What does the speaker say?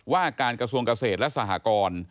ว่าการกระทรวงเกษตรและสหกร